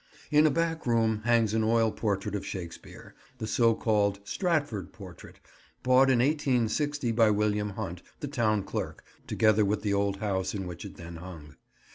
In a back room hangs an oil portrait of Shakespeare: the so called "Stratford" portrait, bought in 1860 by William Hunt, the town clerk, together with the old house in which it then hung.